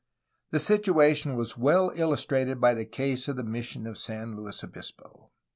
The situation was well illustrated by the case of the mission of San Luis Obispo.